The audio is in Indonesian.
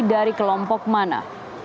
dari kelompok mana